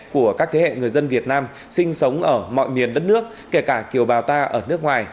của các thế hệ người dân việt nam sinh sống ở mọi miền đất nước kể cả kiều bào ta ở nước ngoài